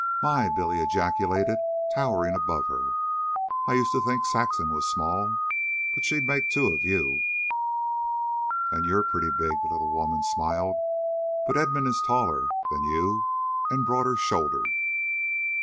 "My!" Billy ejaculated, towering above her. "I used to think Saxon was small. But she'd make two of you." "And you're pretty big," the little woman smiled; "but Edmund is taller than you, and broader shouldered."